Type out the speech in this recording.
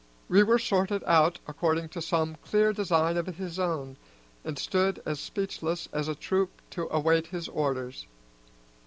We were sorted out according to some clear design of his own, and stood as speechless as a troop to await his orders.